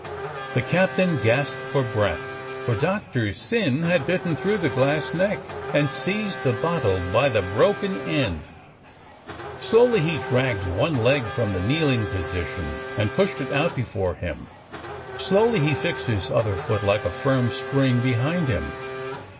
The captain gasped for breath, for Doctor Syn had bitten through the glass neck, and seized the bottle by the broken end. Slowly he dragged one leg from the kneeling position and pushed it out before him; slowly he fixed his other foot like a firm spring behind him.